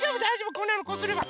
こんなのこうすれば。